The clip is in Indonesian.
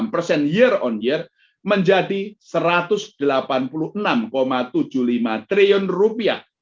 enam puluh tiga tiga puluh enam persen year on year menjadi rp satu ratus delapan puluh enam tujuh puluh lima triliun